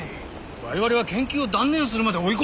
我々は研究を断念するまで追い込まれたんですよ？